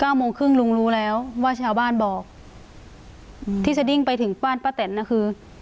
โมงครึ่งลุงรู้แล้วว่าชาวบ้านบอกอืมที่สดิ้งไปถึงบ้านป้าแตนน่ะคือ